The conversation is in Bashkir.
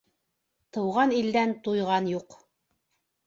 Тыуған илдән туйған юҡ.